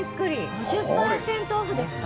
５０％オフですか。